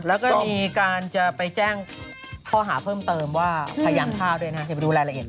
แล้วก็ยังมีการจะไปแจ้งข้อหาเพิ่มเติมว่าพยันทาด้วยนะเดี๋ยวไปดูรายละเอียดกัน